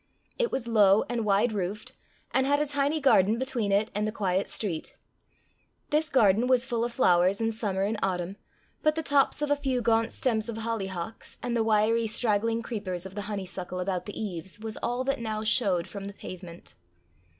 It was low and wide roofed, and had a tiny garden between it and the quiet street. This garden was full of flowers in summer and autumn, but the tops of a few gaunt stems of hollyhocks, and the wiry straggling creepers of the honeysuckle about the eaves, was all that now showed from the pavement.